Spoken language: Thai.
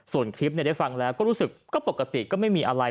ส่วนคลิปได้ฟังแล้วก็รู้สึกก็ปกติก็ไม่มีอะไร